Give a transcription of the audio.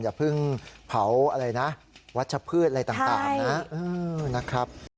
อย่าเพิ่งเผาอะไรนะวัชพืชอะไรต่างนะครับ